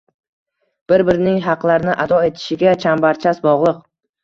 Bir-birining haqlarini ado etishiga chambarchas bog‘liq.